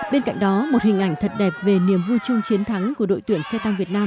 bên cạnh đó một hình ảnh thật đẹp về niềm vui chung chiến thắng của đội tuyển xe tăng việt nam